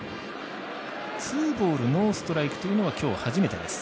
ツーボールノーストライクというのも今日、初めてです。